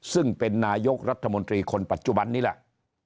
ซึ่งเป็นนายกรัฐมนตรีคนปัจจุบันนี้แหละ